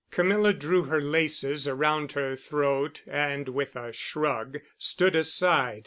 Camilla drew her laces around her throat and with a shrug stood aside.